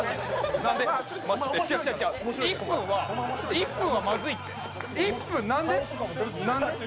１分はマズいって。